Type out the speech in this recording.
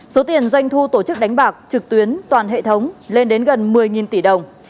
số tiền doanh thu tổ chức đánh bạc trực tuyến toàn hệ thống lên đến gần một mươi tỷ đồng